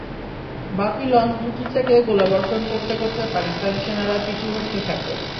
বাকি লঞ্চ দুটি থেকে গোলাবর্ষণ করতে করতে পাকিস্তানি সেনারা পিছু হটতে থাকে।